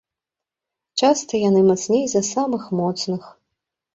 Часта яны мацней за самых моцных.